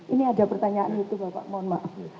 ini ada pertanyaan youtube bapak mohon maaf